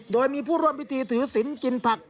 โดยมีผู้ร่วมพิธีถือศิลป์กินผัก